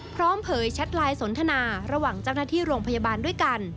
เผยแชทไลน์สนทนาระหว่างเจ้าหน้าที่โรงพยาบาลด้วยกัน